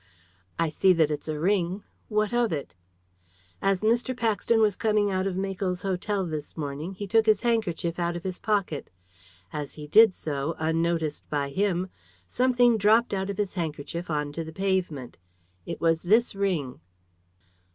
"I see that it's a ring. What of it?" "As Mr. Paxton was coming out of Makell's Hotel this morning he took his handkerchief out of his pocket. As he did so, unnoticed by him, something dropped out of his handkerchief on to the pavement. It was this ring."